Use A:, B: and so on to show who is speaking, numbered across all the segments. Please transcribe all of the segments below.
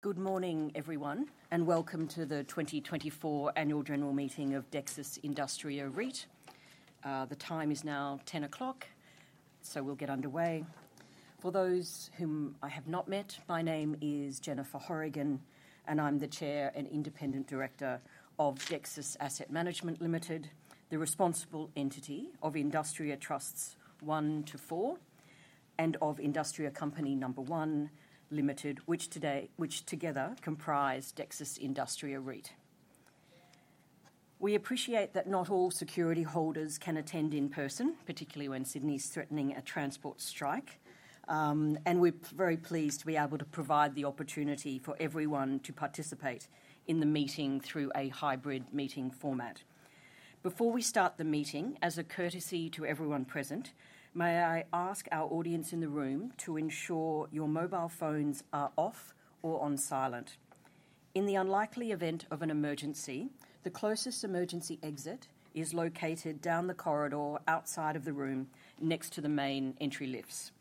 A: Good morning, everyone, and welcome to the 2024 Annual General Meeting of Dexus Industria REIT. The time is now 10:00 A.M., so we'll get underway. For those whom I have not met, my name is Jennifer Horrigan, and I'm the Chair and Independent Director of Dexus Asset Management Limited, the responsible entity of Industria Trusts One to Four and of Industria Company Number One Limited, which together comprise Dexus Industria REIT. We appreciate that not all security holders can attend in person, particularly when Sydney's threatening a transport strike, and we're very pleased to be able to provide the opportunity for everyone to participate in the meeting through a hybrid meeting format. Before we start the meeting, as a courtesy to everyone present, may I ask our audience in the room to ensure your mobile phones are off or on silent? In the unlikely event of an emergency, the closest emergency exit is located down the corridor outside of the room next to the main entry lifts.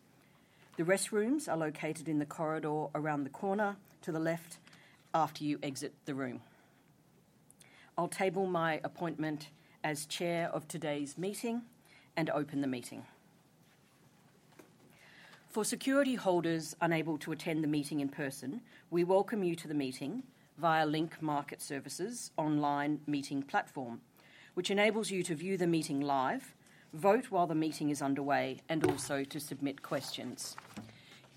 A: The restrooms are located in the corridor around the corner to the left after you exit the room. I'll table my appointment as Chair of today's meeting and open the meeting. For security holders unable to attend the meeting in person, we welcome you to the meeting via Link Market Services' online meeting platform, which enables you to view the meeting live, vote while the meeting is underway, and also to submit questions.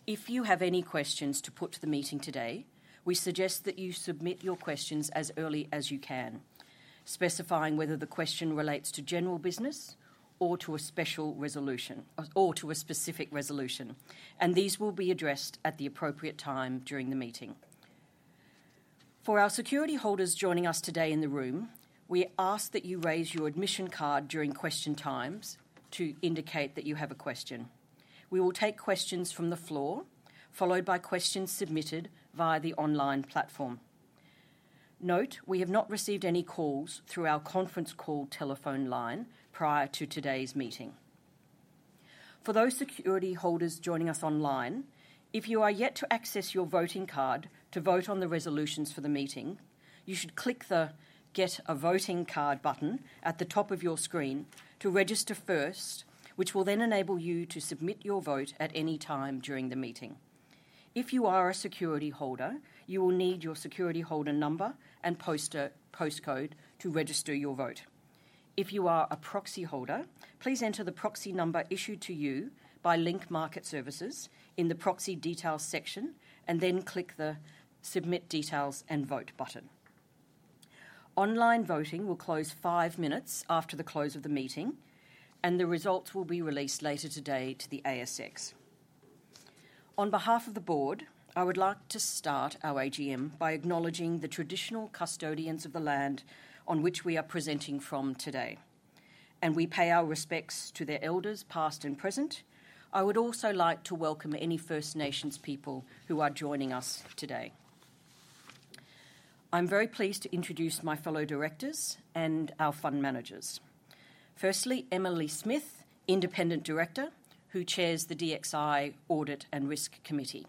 A: If you have any questions to put to the meeting today, we suggest that you submit your questions as early as you can, specifying whether the question relates to general business or to a special resolution or to a specific resolution, and these will be addressed at the appropriate time during the meeting. For our security holders joining us today in the room, we ask that you raise your admission card during question times to indicate that you have a question. We will take questions from the floor, followed by questions submitted via the online platform. Note we have not received any calls through our conference call telephone line prior to today's meeting. For those security holders joining us online, if you are yet to access your voting card to vote on the resolutions for the meeting, you should click the Get a Voting Card button at the top of your screen to register first, which will then enable you to submit your vote at any time during the meeting. If you are a security holder, you will need your security holder number and postal code to register your vote. If you are a proxy holder, please enter the proxy number issued to you by Link Market Services in the Proxy Details section and then click the Submit Details and Vote button. Online voting will close five minutes after the close of the meeting, and the results will be released later today to the ASX. On behalf of the Board, I would like to start our AGM by acknowledging the traditional custodians of the land on which we are presenting from today, and we pay our respects to their elders past and present. I would also like to welcome any First Nations people who are joining us today. I'm very pleased to introduce my fellow directors and our fund managers. Firstly, Emily Smith, Independent Director, who chairs the DXI Audit and Risk Committee.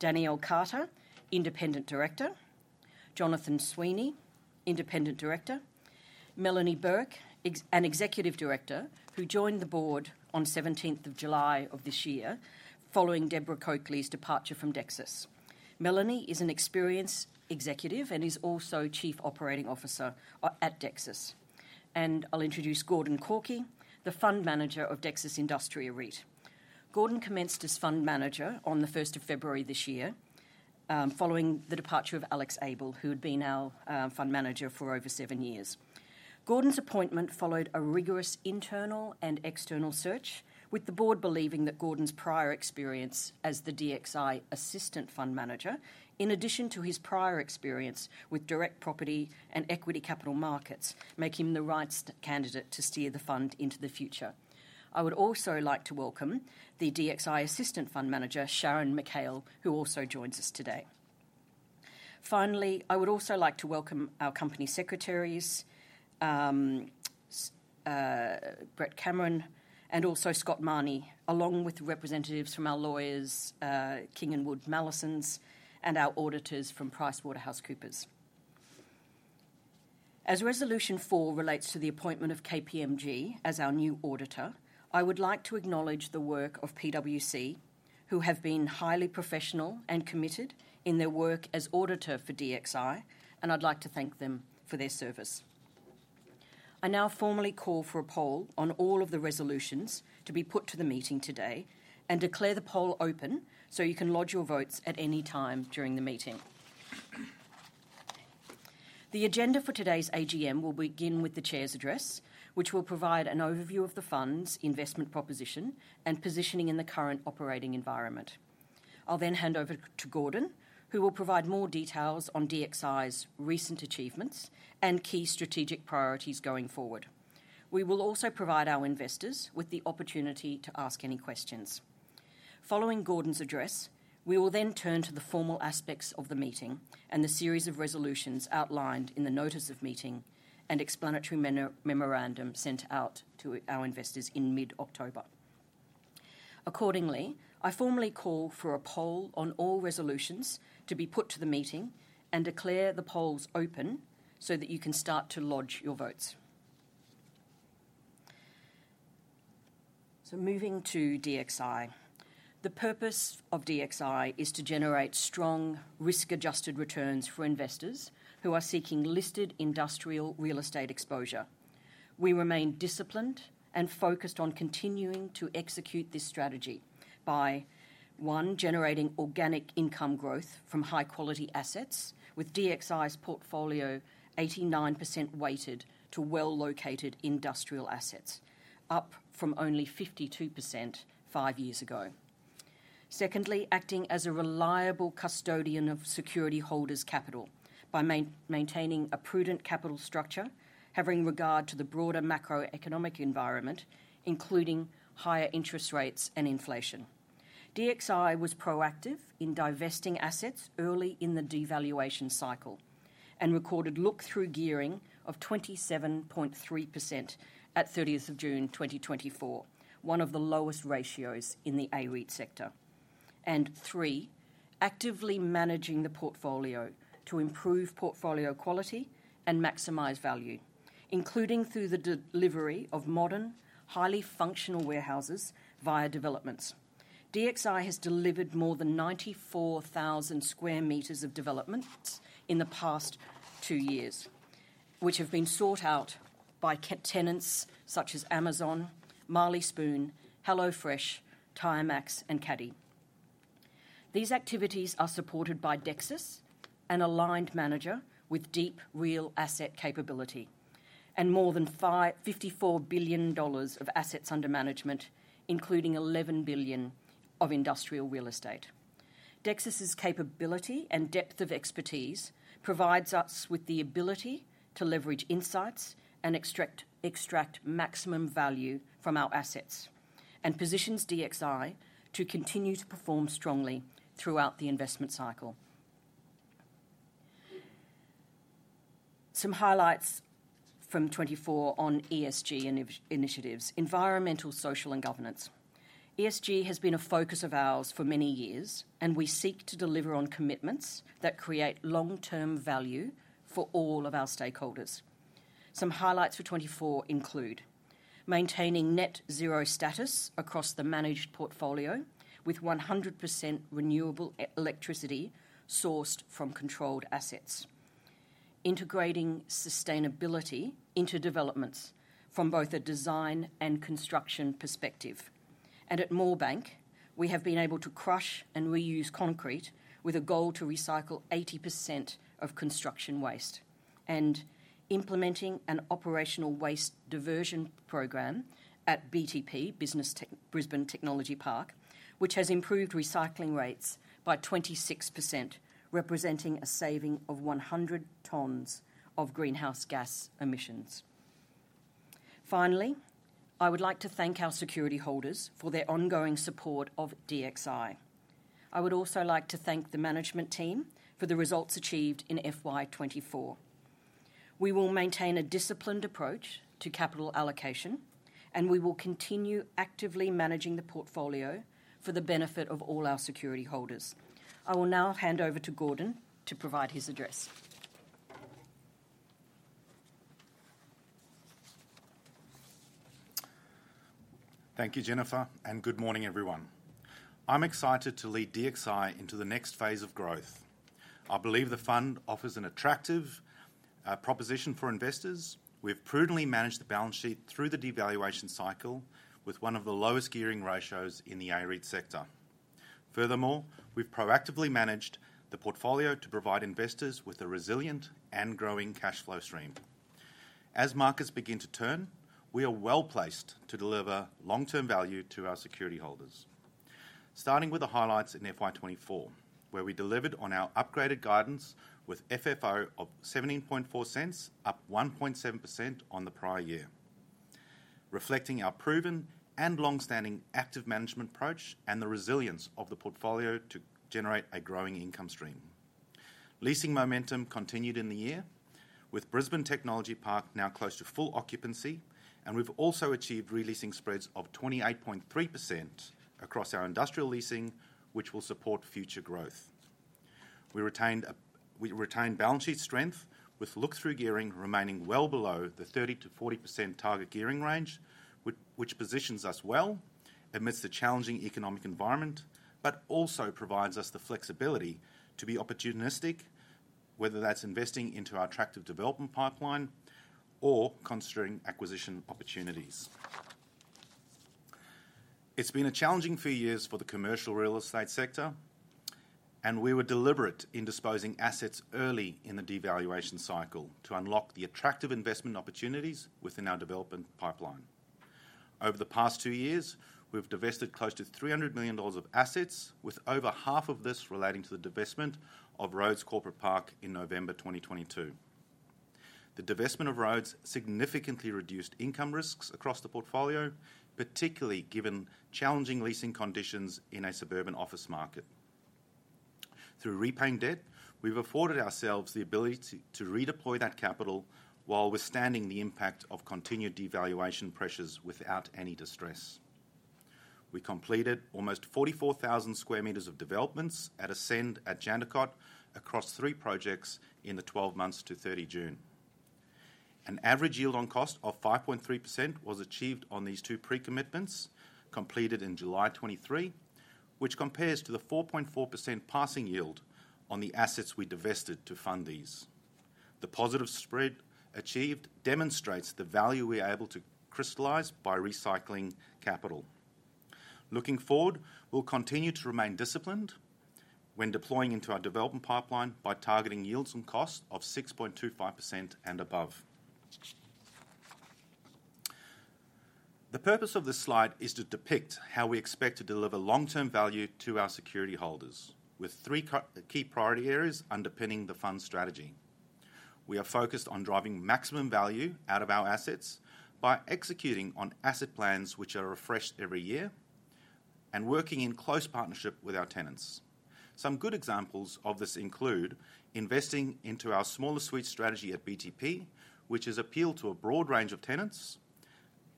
A: Danielle Carter, Independent Director. Jonathan Sweeney, Independent Director. Melanie Bourke, an Executive Director who joined the Board on 17th July of this year following Deborah Coakley's departure from Dexus. Melanie is an experienced executive and is also Chief Operating Officer at Dexus. And I'll introduce Gordon Korkie, the Fund Manager of Dexus Industria REIT. Gordon commenced as Fund Manager on the 1st of February this year following the departure of Alex Abell, who had been our Fund Manager for over seven years. Gordon's appointment followed a rigorous internal and external search, with the Board believing that Gordon's prior experience as the DXI Assistant Fund Manager, in addition to his prior experience with direct property and equity capital markets, makes him the right candidate to steer the fund into the future. I would also like to welcome the DXI Assistant Fund Manager, Sharon McHale, who also joins us today. Finally, I would also like to welcome our Company Secretaries, Brett Cameron, and also Scott Mahony, along with representatives from our lawyers, King & Wood Mallesons, and our auditors from PricewaterhouseCoopers. As Resolution Four relates to the appointment of KPMG as our new auditor, I would like to acknowledge the work of PwC, who have been highly professional and committed in their work as auditor for DXI, and I'd like to thank them for their service. I now formally call for a poll on all of the resolutions to be put to the meeting today and declare the poll open so you can lodge your votes at any time during the meeting. The agenda for today's AGM will begin with the Chair's address, which will provide an overview of the fund's investment proposition and positioning in the current operating environment. I'll then hand over to Gordon, who will provide more details on DXI's recent achievements and key strategic priorities going forward. We will also provide our investors with the opportunity to ask any questions. Following Gordon's address, we will then turn to the formal aspects of the meeting and the series of resolutions outlined in the Notice of Meeting and Explanatory Memorandum sent out to our investors in mid-October. Accordingly, I formally call for a poll on all resolutions to be put to the meeting and declare the polls open so that you can start to lodge your votes. So moving to DXI. The purpose of DXI is to generate strong risk-adjusted returns for investors who are seeking listed industrial real estate exposure. We remain disciplined and focused on continuing to execute this strategy by, one, generating organic income growth from high-quality assets, with DXI's portfolio 89% weighted to well-located industrial assets, up from only 52% five years ago. Secondly, acting as a reliable custodian of security holders' capital by maintaining a prudent capital structure having regard to the broader macroeconomic environment, including higher interest rates and inflation. DXI was proactive in divesting assets early in the devaluation cycle and recorded look-through gearing of 27.3% at 30th of June 2024, one of the lowest ratios in the AREIT sector. And three, actively managing the portfolio to improve portfolio quality and maximize value, including through the delivery of modern, highly functional warehouses via developments. DXI has delivered more than 94,000 m² of developments in the past two years, which have been sought out by tenants such as Amazon, Marley Spoon, HelloFresh, Timex, and Caddy. These activities are supported by Dexus, an aligned manager with deep real asset capability and more than 54 billion dollars of assets under management, including 11 billion of industrial real estate. Dexus's capability and depth of expertise provides us with the ability to leverage insights and extract maximum value from our assets and positions DXI to continue to perform strongly throughout the investment cycle. Some highlights from 2024 on ESG initiatives: environmental, social, and governance. ESG has been a focus of ours for many years, and we seek to deliver on commitments that create long-term value for all of our stakeholders. Some highlights for 2024 include maintaining net zero status across the managed portfolio with 100% renewable electricity sourced from controlled assets, integrating sustainability into developments from both a design and construction perspective. At Moorebank, we have been able to crush and reuse concrete with a goal to recycle 80% of construction waste and implementing an operational waste diversion program at BTP, Brisbane Technology Park, which has improved recycling rates by 26%, representing a saving of 100 tons of greenhouse gas emissions. Finally, I would like to thank our security holders for their ongoing support of DXI. I would also like to thank the management team for the results achieved in FY 2024. We will maintain a disciplined approach to capital allocation, and we will continue actively managing the portfolio for the benefit of all our security holders. I will now hand over to Gordon to provide his address.
B: Thank you, Jennifer, and good morning, everyone. I'm excited to lead DXI into the next phase of growth. I believe the fund offers an attractive proposition for investors. We've prudently managed the balance sheet through the devaluation cycle with one of the lowest gearing ratios in the AREIT sector. Furthermore, we've proactively managed the portfolio to provide investors with a resilient and growing cash flow stream. As markets begin to turn, we are well placed to deliver long-term value to our security holders. Starting with the highlights in FY 2024, where we delivered on our upgraded guidance with FFO of 0.174, up 1.7% on the prior year, reflecting our proven and long-standing active management approach and the resilience of the portfolio to generate a growing income stream. Leasing momentum continued in the year, with Brisbane Technology Park now close to full occupancy, and we've also achieved releasing spreads of 28.3% across our industrial leasing, which will support future growth. We retained balance sheet strength, with look-through gearing remaining well below the 30%-40% target gearing range, which positions us well amidst a challenging economic environment, but also provides us the flexibility to be opportunistic, whether that's investing into our attractive development pipeline or considering acquisition opportunities. It's been a challenging few years for the commercial real estate sector, and we were deliberate in disposing assets early in the devaluation cycle to unlock the attractive investment opportunities within our development pipeline. Over the past two years, we've divested close to 300 million dollars of assets, with over half of this relating to the divestment of Rhodes Corporate Park in November 2022. The divestment of Rhodes significantly reduced income risks across the portfolio, particularly given challenging leasing conditions in a suburban office market. Through repaying debt, we've afforded ourselves the ability to redeploy that capital while withstanding the impact of continued devaluation pressures without any distress. We completed almost 44,000 m² of developments at Ascend at Jandakot across three projects in the 12 months to 30 June. An average yield on cost of 5.3% was achieved on these two pre-commitments completed in July 2023, which compares to the 4.4% passing yield on the assets we divested to fund these. The positive spread achieved demonstrates the value we are able to crystallize by recycling capital. Looking forward, we'll continue to remain disciplined when deploying into our development pipeline by targeting yields on cost of 6.25% and above. The purpose of this slide is to depict how we expect to deliver long-term value to our security holders, with three key priority areas underpinning the fund's strategy. We are focused on driving maximum value out of our assets by executing on asset plans which are refreshed every year and working in close partnership with our tenants. Some good examples of this include investing into our smaller suite strategy at BTP, which has appealed to a broad range of tenants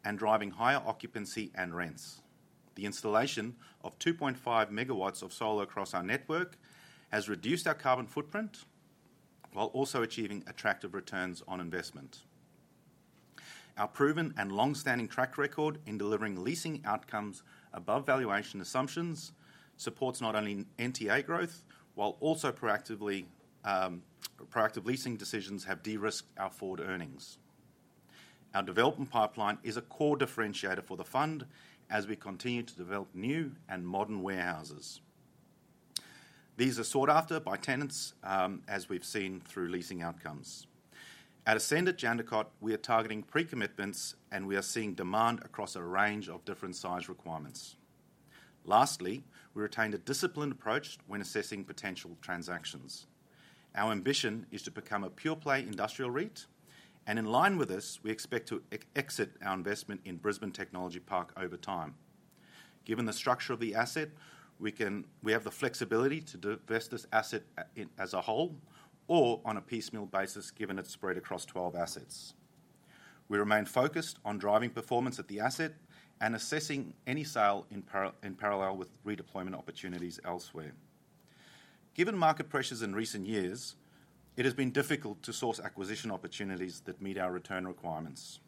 B: and driving higher occupancy and rents. The installation of 2.5 MW of solar across our network has reduced our carbon footprint while also achieving attractive returns on investment. Our proven and long-standing track record in delivering leasing outcomes above valuation assumptions supports not only NTA growth, while also proactive leasing decisions have de-risked our forward earnings. Our development pipeline is a core differentiator for the fund as we continue to develop new and modern warehouses. These are sought after by tenants, as we've seen through leasing outcomes. At Ascend at Jandakot, we are targeting pre-commitments, and we are seeing demand across a range of different size requirements. Lastly, we retained a disciplined approach when assessing potential transactions. Our ambition is to become a pure-play industrial REIT, and in line with this, we expect to exit our investment in Brisbane Technology Park over time. Given the structure of the asset, we have the flexibility to divest this asset as a whole or on a piecemeal basis given its spread across 12 assets. We remain focused on driving performance at the asset and assessing any sale in parallel with redeployment opportunities elsewhere. Given market pressures in recent years, it has been difficult to source acquisition opportunities that meet our return requirements.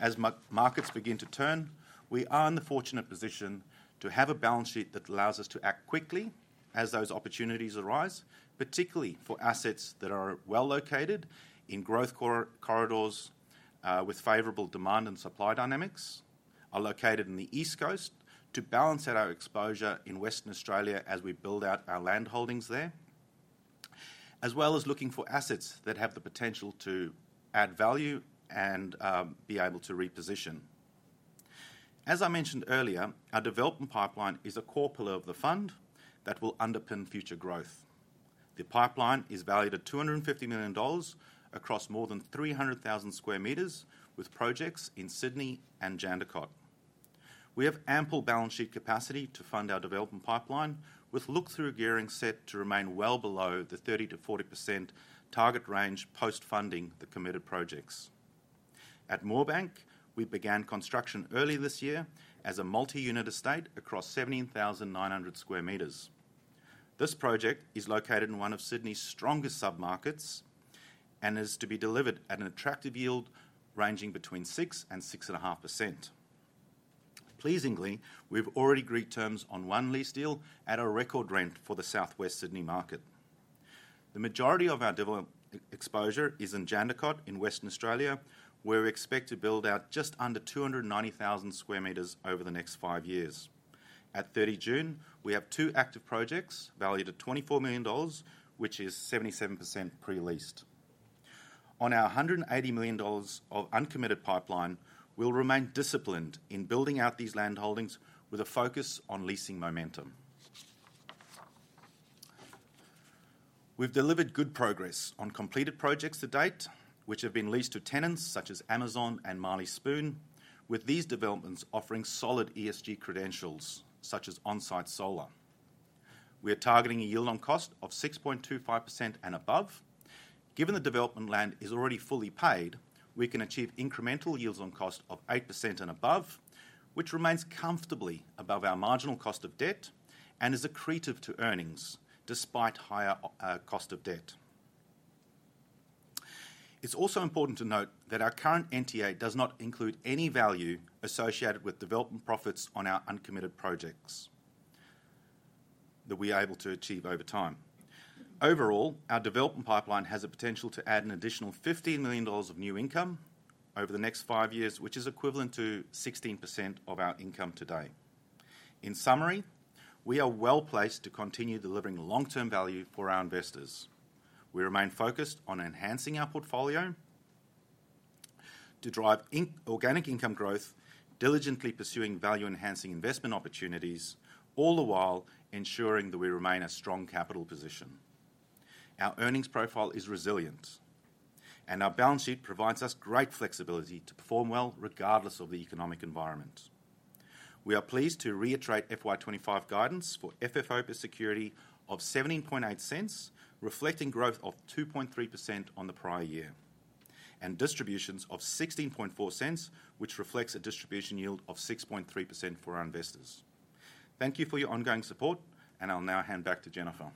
B: As markets begin to turn, we are in the fortunate position to have a balance sheet that allows us to act quickly as those opportunities arise, particularly for assets that are well located in growth corridors with favorable demand and supply dynamics, are located in the East Coast to balance out our exposure in Western Australia as we build out our land holdings there, as well as looking for assets that have the potential to add value and be able to reposition. As I mentioned earlier, our development pipeline is a core pillar of the fund that will underpin future growth. The pipeline is valued at 250 million dollars across more than 300,000 m² with projects in Sydney and Jandakot. We have ample balance sheet capacity to fund our development pipeline with look-through gearing set to remain well below the 30%-40% target range post-funding the committed projects. At Moorebank, we began construction earlier this year as a multi-unit estate across 17,900 m². This project is located in one of Sydney's strongest submarkets and is to be delivered at an attractive yield ranging between 6% and 6.5%. Pleasingly, we've already agreed terms on one lease deal at a record rent for the Southwest Sydney market. The majority of our development exposure is in Jandakot in Western Australia, where we expect to build out just under 290,000 m² over the next five years. At 30 June, we have two active projects valued at 24 million dollars, which is 77% pre-leased. On our 180 million dollars of uncommitted pipeline, we'll remain disciplined in building out these land holdings with a focus on leasing momentum. We've delivered good progress on completed projects to date, which have been leased to tenants such as Amazon and Marley Spoon, with these developments offering solid ESG credentials such as on-site solar. We are targeting a yield on cost of 6.25% and above. Given the development land is already fully paid, we can achieve incremental yields on cost of 8% and above, which remains comfortably above our marginal cost of debt and is accretive to earnings despite higher cost of debt. It's also important to note that our current NTA does not include any value associated with development profits on our uncommitted projects that we are able to achieve over time. Overall, our development pipeline has the potential to add an additional 15 million dollars of new income over the next five years, which is equivalent to 16% of our income today. In summary, we are well placed to continue delivering long-term value for our investors. We remain focused on enhancing our portfolio to drive organic income growth, diligently pursuing value-enhancing investment opportunities, all the while ensuring that we remain a strong capital position. Our earnings profile is resilient, and our balance sheet provides us great flexibility to perform well regardless of the economic environment. We are pleased to reiterate FY 2025 guidance for FFO for security of 0.178, reflecting growth of 2.3% on the prior year, and distributions of 0.164, which reflects a distribution yield of 6.3% for our investors. Thank you for your ongoing support, and I'll now hand back to Jennifer.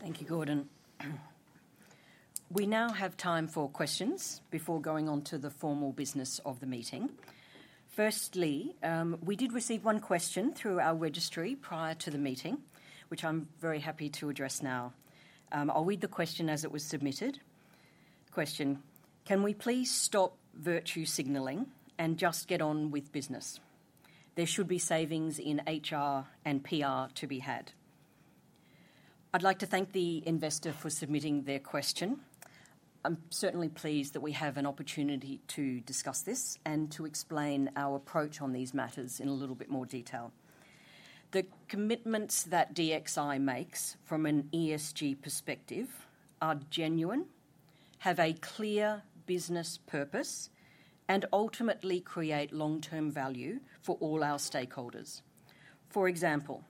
A: Thank you, Gordon. We now have time for questions before going on to the formal business of the meeting. Firstly, we did receive one question through our registry prior to the meeting, which I'm very happy to address now. I'll read the question as it was submitted. Question: Can we please stop virtue signaling and just get on with business? There should be savings in HR and PR to be had. I'd like to thank the investor for submitting their question. I'm certainly pleased that we have an opportunity to discuss this and to explain our approach on these matters in a little bit more detail. The commitments that DXI makes from an ESG perspective are genuine, have a clear business purpose, and ultimately create long-term value for all our stakeholders. For example,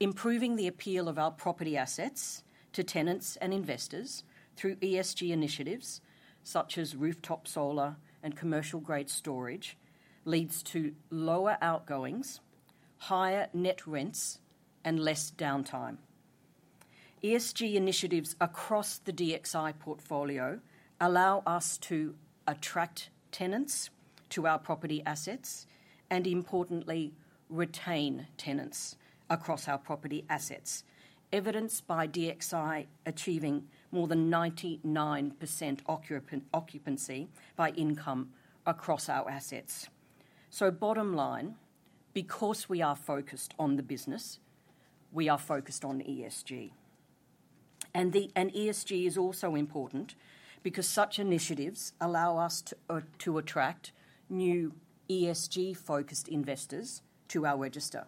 A: improving the appeal of our property assets to tenants and investors through ESG initiatives such as rooftop solar and commercial-grade storage leads to lower outgoings, higher net rents, and less downtime. ESG initiatives across the DXI portfolio allow us to attract tenants to our property assets and, importantly, retain tenants across our property assets, evidenced by DXI achieving more than 99% occupancy by income across our assets. So, bottom line, because we are focused on the business, we are focused on ESG. And ESG is also important because such initiatives allow us to attract new ESG-focused investors to our register.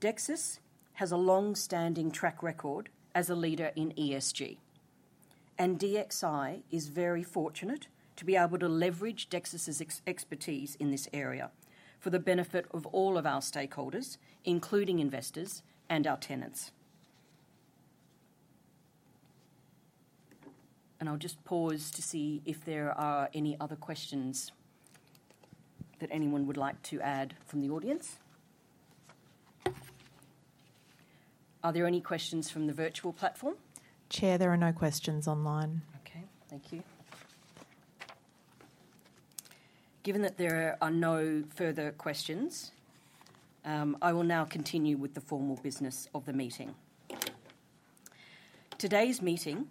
A: Dexus has a long-standing track record as a leader in ESG, and DXI is very fortunate to be able to leverage Dexus's expertise in this area for the benefit of all of our stakeholders, including investors and our tenants. I'll just pause to see if there are any other questions that anyone would like to add from the audience. Are there any questions from the virtual platform?
C: Chair, there are no questions online.
A: Okay. Thank you. Given that there are no further questions, I will now continue with the formal business of the meeting. Today's meeting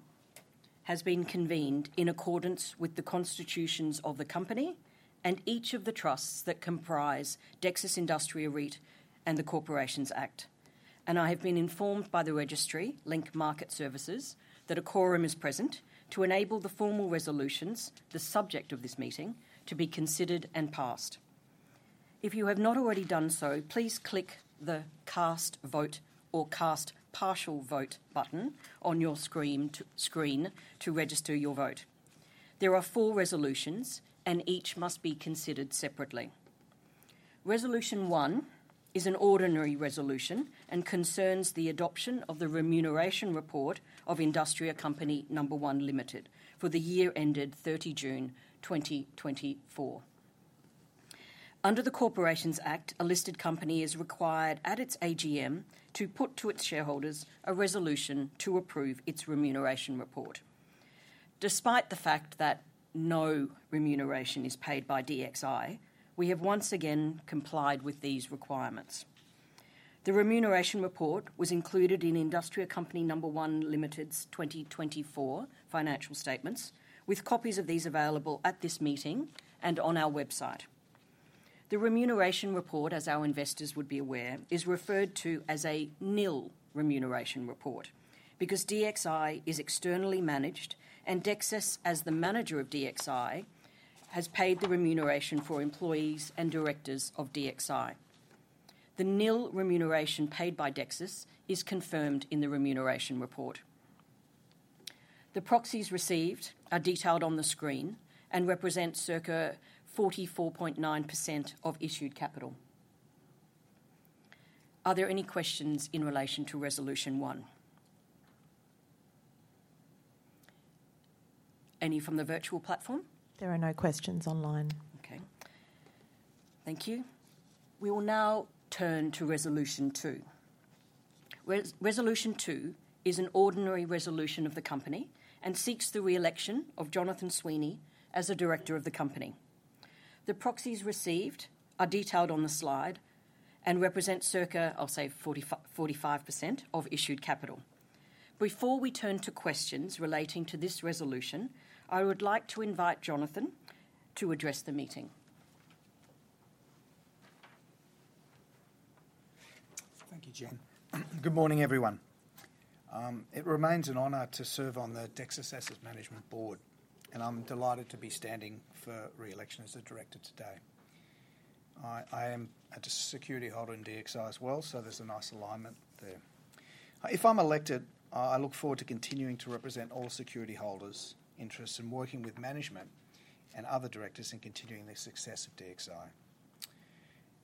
A: has been convened in accordance with the constitutions of the company and each of the trusts that comprise Dexus Industria REIT and the Corporations Act. And I have been informed by the registry, Link Market Services, that a quorum is present to enable the formal resolutions, the subject of this meeting, to be considered and passed. If you have not already done so, please click the cast vote or cast partial vote button on your screen to register your vote. There are four resolutions, and each must be considered separately. Resolution one is an ordinary resolution and concerns the adoption of the remuneration report of Industria Company Number One Limited for the year ended 30 June 2024. Under the Corporations Act, a listed company is required at its AGM to put to its shareholders a resolution to approve its remuneration report. Despite the fact that no remuneration is paid by DXI, we have once again complied with these requirements. The remuneration report was included in Dexus Industria REIT's 2024 financial statements, with copies of these available at this meeting and on our website. The remuneration report, as our investors would be aware, is referred to as a nil remuneration report because DXI is externally managed, and Dexus, as the manager of DXI, has paid the remuneration for employees and directors of DXI. The nil remuneration paid by Dexus is confirmed in the remuneration report. The proxies received are detailed on the screen and represent circa 44.9% of issued capital. Are there any questions in relation to Resolution One? Any from the virtual platform?
C: There are no questions online.
A: Okay. Thank you. We will now turn to Resolution Two. Resolution Two is an ordinary resolution of the company and seeks the reelection of Jonathan Sweeney as a director of the company. The proxies received are detailed on the slide and represent circa, I'll say, 45% of issued capital. Before we turn to questions relating to this resolution, I would like to invite Jonathan to address the meeting.
D: Thank you, Jen. Good morning, everyone. It remains an honor to serve on the Dexus Asset Management Board, and I'm delighted to be standing for reelection as a director today. I am a security holder in DXI as well, so there's a nice alignment there. If I'm elected, I look forward to continuing to represent all security holders' interests in working with management and other directors in continuing the success of DXI.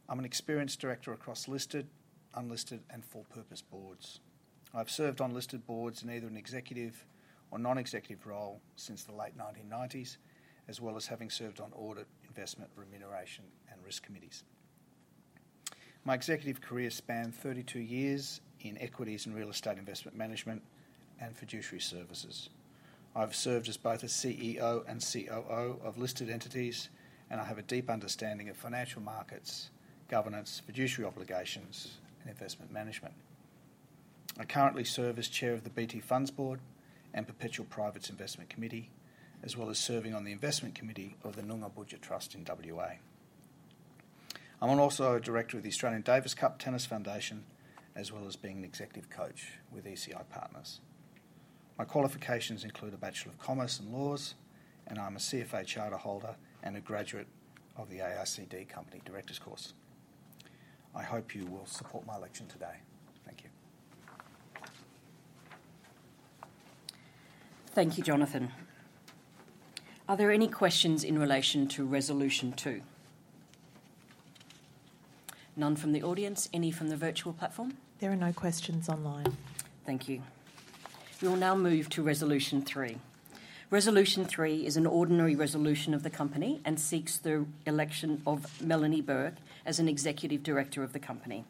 D: I'm an experienced director across listed, unlisted, and full-purpose boards. I've served on listed boards in either an executive or non-executive role since the late 1990s, as well as having served on audit, investment, remuneration, and risk committees. My executive career spanned 32 years in equities and real estate investment management and fiduciary services. I've served as both a CEO and COO of listed entities, and I have a deep understanding of financial markets, governance, fiduciary obligations, and investment management. I currently serve as chair of the BT Funds Board and Perpetual Private Investment Committee, as well as serving on the investment committee of the Noongar Boodja Trust in WA. I'm also a director of the Australian Davis Cup Tennis Foundation, as well as being an executive coach with ECI Partners. My qualifications include a Bachelor of Commerce and Laws, and I'm a CFA Charter holder and a graduate of the AICD Company Directors Course. I hope you will support my election today. Thank you.
A: Thank you, Jonathan. Are there any questions in relation to Resolution Two? None from the audience? Any from the virtual platform?
C: There are no questions online.
A: Thank you. We will now move to Resolution Three. Resolution Three is an ordinary resolution of the company and seeks the election of Melanie Bourke as an executive director of the company.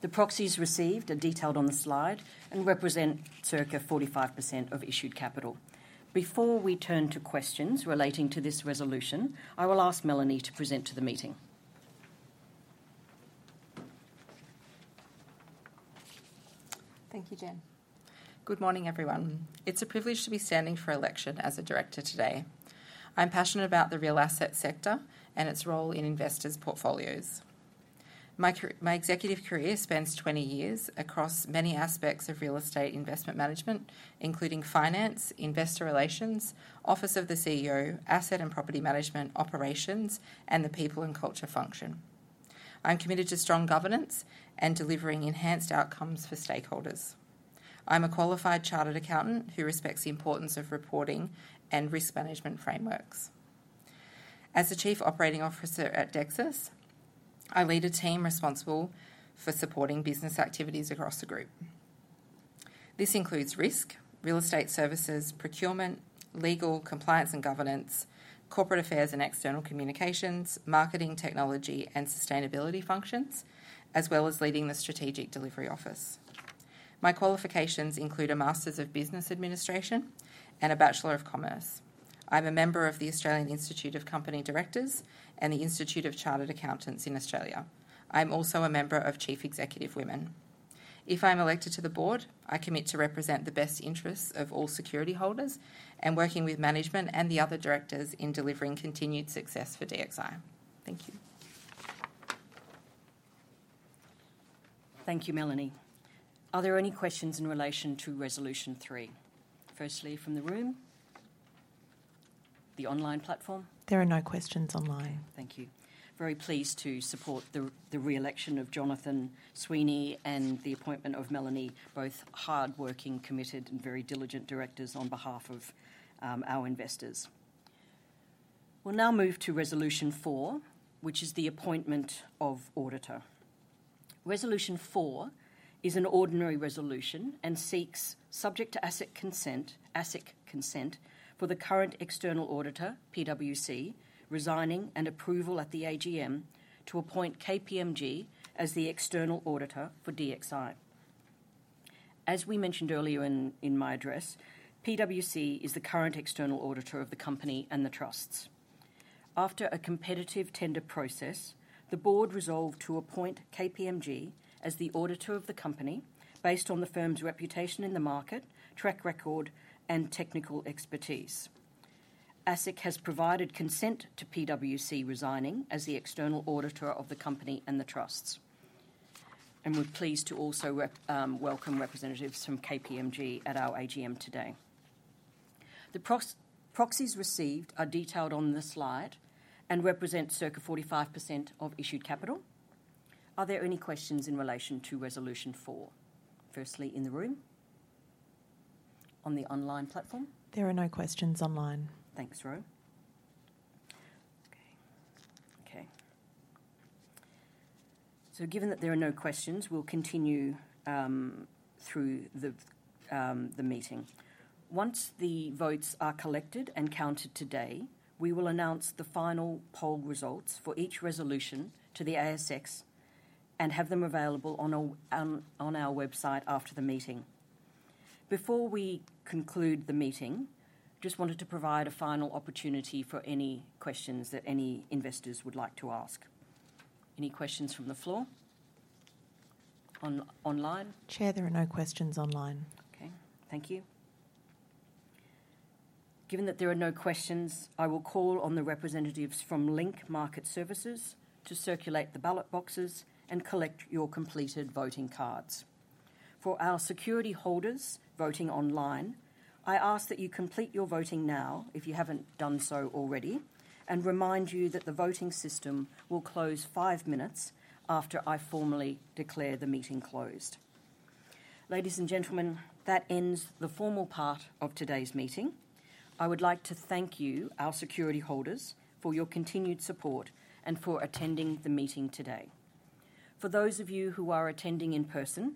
A: The proxies received are detailed on the slide and represent circa 45% of issued capital. Before we turn to questions relating to this resolution, I will ask Melanie Bourke to present to the meeting.
E: Thank you, Jen. Good morning, everyone. It's a privilege to be standing for election as a director today. I'm passionate about the real asset sector and its role in investors' portfolios. My executive career spans 20 years across many aspects of real estate investment management, including finance, investor relations, office of the CEO, asset and property management operations, and the people and culture function. I'm committed to strong governance and delivering enhanced outcomes for stakeholders. I'm a qualified chartered accountant who respects the importance of reporting and risk management frameworks. As the Chief Operating Officer at Dexus, I lead a team responsible for supporting business activities across the group. This includes risk, real estate services, procurement, legal, compliance and governance, corporate affairs and external communications, marketing, technology, and sustainability functions, as well as leading the strategic delivery office. My qualifications include a Master's of Business Administration and a Bachelor of Commerce. I'm a member of the Australian Institute of Company Directors and the Institute of Chartered Accountants in Australia. I'm also a member of Chief Executive Women. If I'm elected to the board, I commit to represent the best interests of all security holders and working with management and the other directors in delivering continued success for DXI. Thank you.
A: Thank you, Melanie. Are there any questions in relation to Resolution Three? Firstly, from the room, the online platform?
C: There are no questions online.
A: Thank you. Very pleased to support the reelection of Jonathan Sweeney and the appointment of Melanie, both hardworking, committed, and very diligent directors on behalf of our investors. We'll now move to Resolution Four, which is the appointment of auditor. Resolution Four is an ordinary resolution and seeks subject to ASIC consent for the current external auditor, PwC, resigning and approval at the AGM to appoint KPMG as the external auditor for DXI. As we mentioned earlier in my address, PwC is the current external auditor of the company and the trusts. After a competitive tender process, the board resolved to appoint KPMG as the auditor of the company based on the firm's reputation in the market, track record, and technical expertise. ASIC has provided consent to PwC resigning as the external auditor of the company and the trusts. And we're pleased to also welcome representatives from KPMG at our AGM today. The proxies received are detailed on the slide and represent circa 45% of issued capital. Are there any questions in relation to Resolution Four? Firstly, in the room, on the online platform?
C: There are no questions online.
A: Thanks, Ro. Okay. Okay, so given that there are no questions, we'll continue through the meeting. Once the votes are collected and counted today, we will announce the final poll results for each resolution to the ASX and have them available on our website after the meeting. Before we conclude the meeting, I just wanted to provide a final opportunity for any questions that any investors would like to ask. Any questions from the floor online?
C: Chair, there are no questions online.
A: Okay. Thank you. Given that there are no questions, I will call on the representatives from Link Market Services to circulate the ballot boxes and collect your completed voting cards. For our security holders voting online, I ask that you complete your voting now if you haven't done so already, and remind you that the voting system will close five minutes after I formally declare the meeting closed. Ladies and gentlemen, that ends the formal part of today's meeting. I would like to thank you, our security holders, for your continued support and for attending the meeting today. For those of you who are attending in person,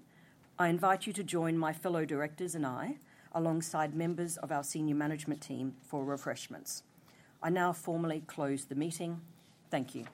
A: I invite you to join my fellow directors and I alongside members of our senior management team for refreshments. I now formally close the meeting. Thank you.